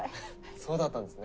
そうだったんですね。